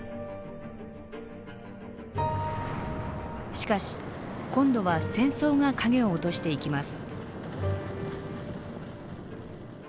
しかし今度は戦争が影を落としていきます。